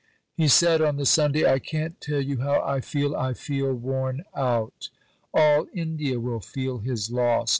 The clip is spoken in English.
(He said on the Sunday, "I can't tell you how I feel: I feel worn out.") All India will feel his loss.